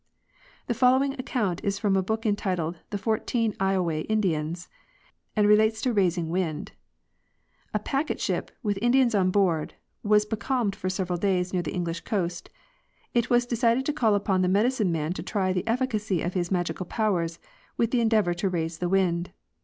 The following account is from a book entitled '' The Fourteen loway Indians" (London, 1844), and relates to raising wind: A packet ship, with Indians on board, was becalmed for several days near the English coast. It was decided to call upon the medicine man to try the efficacy of his magical powers with the endeavor to raise the wind.